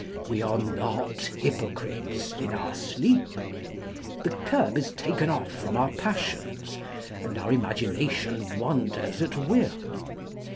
We are not hypo crites in our sleep. The curb is taken off from our passions, and our imagination wanders at will.